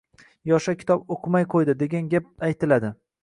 “Yoshlar kitob o‘qimay qo‘ydi” degan gap aytiladi.